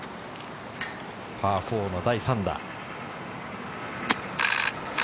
パー４の第３打。